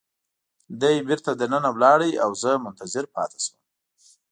دی بیرته دننه ولاړ او ما منتظر پاتې شوم.